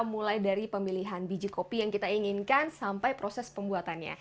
mulai dari pemilihan biji kopi yang kita inginkan sampai proses pembuatannya